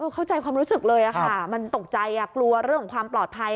เข้าใจความรู้สึกเลยค่ะมันตกใจกลัวเรื่องของความปลอดภัย